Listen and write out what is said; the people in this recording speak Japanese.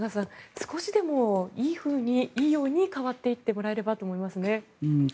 少しでもいいように変わっていってもらえればと思いますね。